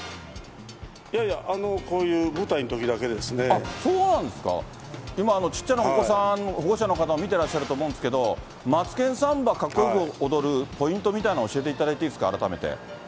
いやいや、そうなんですか、今、ちっちゃなお子さん、保護者の方も見てらっしゃると思うんですけど、マツケンサンバ、かっこよく踊るポイントみたいのあったら教えてもらっていいです